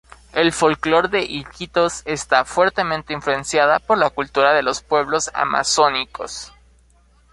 El folclore de Iquitos está fuertemente influenciada por la cultura de las pueblos amazónicos.